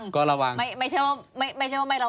ก็ระวังไม่ใช่ว่าไม่ระวัง